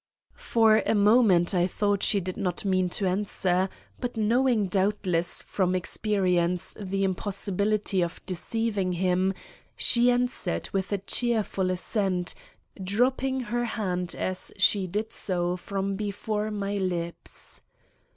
For a moment I thought she did not mean to answer, but knowing doubtless from experience the impossibility of deceiving him, she answered with a cheerful assent, dropping her hand as she did so from before my lips.